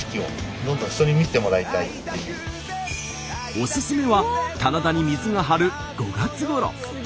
オススメは棚田に水が張る５月ごろ。